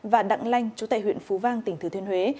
và đặng lanh chú tại huyện phú vang tỉnh thừa thiên huế